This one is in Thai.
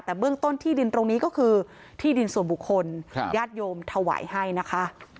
แต่เบื้องต้นที่ดินตรงนี้ก็คือที่ดินส่วนบุคคลญาติโยมถวายให้นะคะ